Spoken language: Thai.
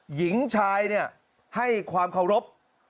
หญิงชายเนี่ยให้ความเคารพ